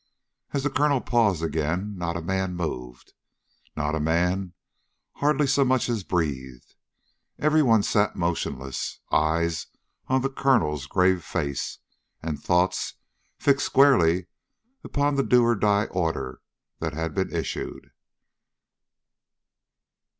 As the colonel paused again, not a man moved. Not a man hardly so much as breathed. Everyone sat motionless, eyes on the colonel's grave face, and thoughts fixed squarely upon the do or die order that had been issued!